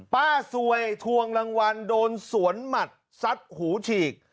ซวยทวงรางวัลโดนสวนหมัดซัดหูฉีก